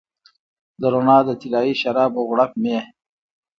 د روڼا د طلایې شرابو غوړپ مې